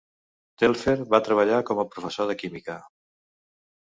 Telfer va treballar com a professor de química.